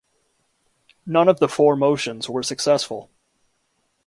None of the four motions were successful.